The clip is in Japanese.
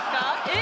え！